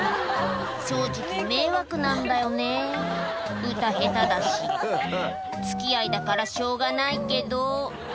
「正直迷惑なんだよね歌下手だし」「付き合いだからしょうがないけど」